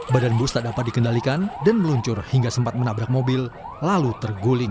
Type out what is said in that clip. badan bus tak dapat dikendalikan dan meluncur hingga sempat menabrak mobil lalu terguling